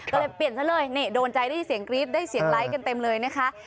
ก็เลยเปลี่ยนซะเลยนี่โดนใจได้ยินเสียงกรี๊ดได้เสียงไลค์กันเต็มเลยนะคะ